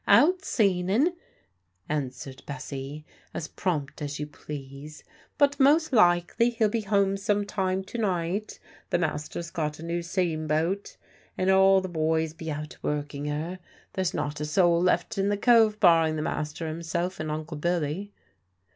"Out seaning," answered Bessie, as prompt as you please. "But most likely he'll be home some time to night. The master's got a new sean boat, and all the boys be out working her. There's not a soul left in the Cove barring the master himself and Uncle Billy."